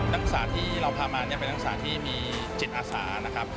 นักศึกษาที่เราพามาเนี่ยเป็นนักศึกษาที่มีจิตอาสานะครับ